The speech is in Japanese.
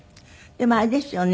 でもあれですよね。